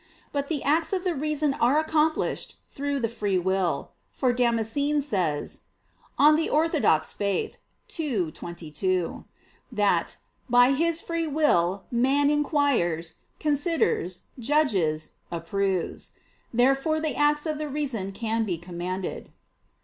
But the acts of the reason are accomplished through the free will: for Damascene says (De Fide Orth. ii, 22) that "by his free will man inquires, considers, judges, approves." Therefore the acts of the reason can be commanded.